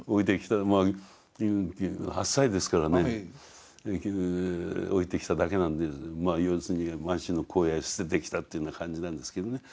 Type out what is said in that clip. まあ８歳ですけどね置いてきただけなんで要するに満州の荒野へ捨ててきたっていうような感じなんですけどね。